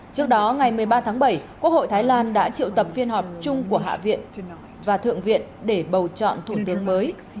trước đó ngày một mươi ba tháng bảy quốc hội thái lan đã triệu tập phiên họp chung của hạ viện và thượng viện để bầu chọn thủ tướng mới